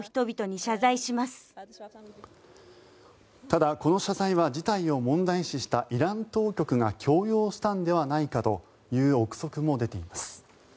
ただ、この謝罪は事態を問題視したイラン当局が強要したのではないかという臆測も出ています。